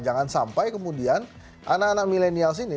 jangan sampai kemudian anak anak milenial sini